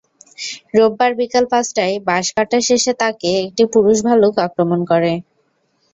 রোববার বিকেল পাঁচটায় বাঁশ কাটা শেষে তাঁকে একটি পুরুষ ভালুক আক্রমণ করে।